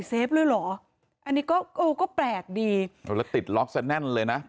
เลยเหรออันนี้ก็โอก็แปลกดีเดี๋ยวแล้วติดก็นั่นเลยนะ